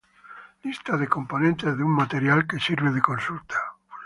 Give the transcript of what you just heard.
Lista de componentes de una materia que sirve de consulta.